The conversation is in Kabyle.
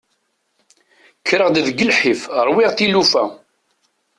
Kkreɣ-d deg lḥif ṛwiɣ tilufa.